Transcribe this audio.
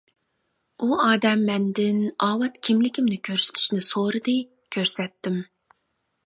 ئۇ ئادەم مەندىن ئاۋات كىملىكىمنى كۆرسىتىشنى سورىدى، كۆرسەتتىم.